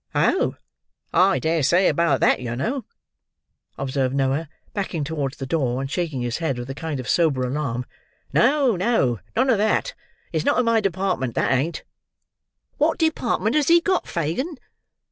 "Oh, I dare say about that, yer know," observed Noah, backing towards the door, and shaking his head with a kind of sober alarm. "No, no—none of that. It's not in my department, that ain't." "Wot department has he got, Fagin?"